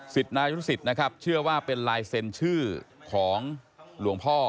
ศิษย์นายุทธิศิษย์เชื่อว่าเป็นลายเซ็นชื่อของหลวงพ่อ